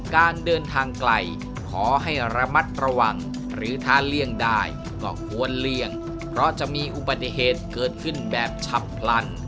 การเดินทางไกลขอให้ระมัดระวังหรือถ้าเลี่ยงได้ก็ควรเลี่ยงเพราะจะมีอุบัติเหตุเกิดขึ้นแบบชับพลัน